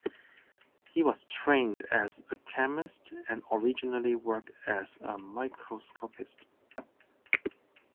He was trained as a chemist and originally worked as a microscopist.